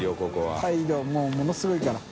もうものすごいから。